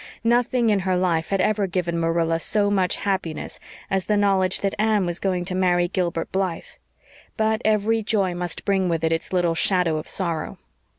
Nothing in her life had ever given Marilla so much happiness as the knowledge that Anne was going to marry Gilbert Blythe; but every joy must bring with it its little shadow of sorrow.